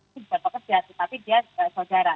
tidak fokus jatuh tapi dia saudara